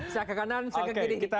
saya ke kanan saya ke kiri kita